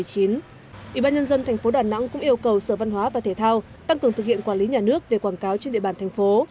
ủy ban nhân dân thành phố đà nẵng cũng yêu cầu sở văn hóa và thể thao tăng cường thực hiện quản lý nhà nước về quảng cáo trên địa bàn thành phố